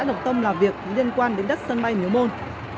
họ đồng tâm làm việc liên quan đến đất sân bay nguyễn môn